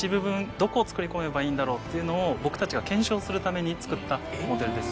どこを作り込めばいいんだろうっていうのを僕たちが検証するために作ったモデルです。